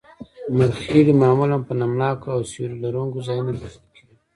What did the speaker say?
مرخیړي معمولاً په نم ناکو او سیوري لرونکو ځایونو کې شنه کیږي